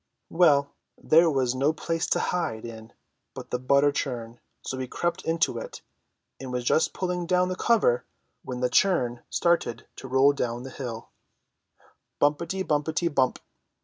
Well, there was no place to hide in but the butter churn ; so he crept into it, and was just pulling down the cover when the churn started to roll down the hill — 178 ENGLISH FAIRY TALES Bumpetyy bumpety, bump